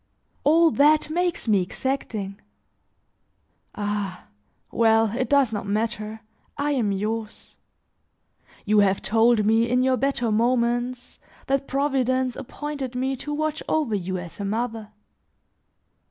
All that, makes me exacting. Ah! well, it does not matter, I am yours. You have told me, in your better moments, that Providence appointed me to watch over you as a mother.